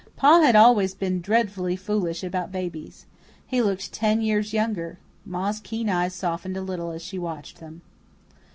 Pa had always been dreadfully foolish about babies. He looked ten years younger. Ma's keen eyes softened a little as she watched them.